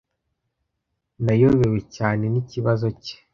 Nayobewe cyane n'ikibazo cye.